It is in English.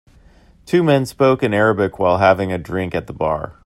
Two men spoke in Arabic while having a drink at the bar.